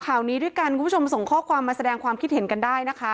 ข่าวนี้ด้วยกันคุณผู้ชมส่งข้อความมาแสดงความคิดเห็นกันได้นะคะ